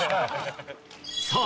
さあ